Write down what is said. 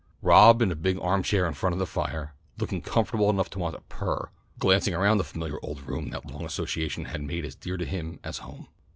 Rob in a big armchair in front of the fire, looking comfortable enough to want to purr, glanced around the familiar old room that long association had made as dear to him as home.